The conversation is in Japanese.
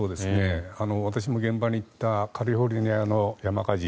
私も現場に行ったカリフォルニアの山火事